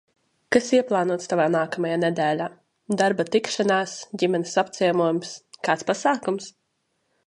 Kas ieplānots tavā nākamajā nedēļā – darba tikšanās, ģimenes apciemojums, kāds pasākums?